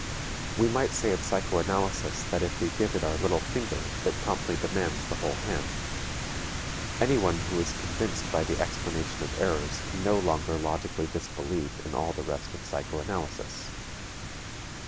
We might say of psychoanalysis that if we give it our little finger it promptly demands the whole hand. Anyone who was convinced by the explanation of errors can no longer logically disbelieve in all the rest of psychoanalysis.